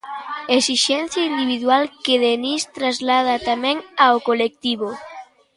Esixencia individual que Denis traslada tamén ao colectivo.